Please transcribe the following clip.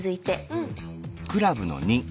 うん。